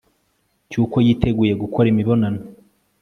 cy'uko yiteguye gukora imibonano